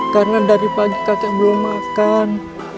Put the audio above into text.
karena dari pagi kakek belum makan